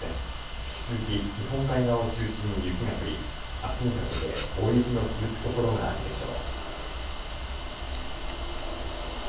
引き続き日本海側を中心に雪が降り、あすにかけて大雪の続く所があるでしょう。